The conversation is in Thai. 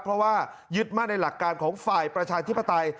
เพราะว่ายึดมั่นในหลักการของฝ่ายประชาธิปไตย